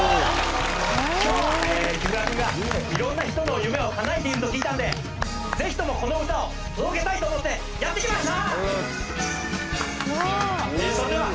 今日は木村くんが色んな人の夢を叶えていると聞いたんでぜひともこの歌を届けたいと思ってやってきました